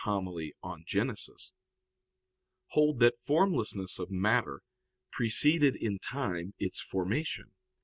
ii In Gen.), hold that formlessness of matter preceded in time its formation.